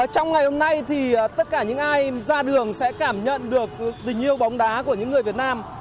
trong ngày hôm nay thì tất cả những ai ra đường sẽ cảm nhận được tình yêu bóng đá của những người việt nam